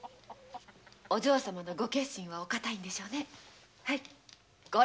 お嬢様の御決心はお固いんでしょうね！？